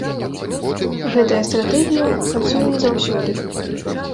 Гэтая стратэгія працуе не заўсёды.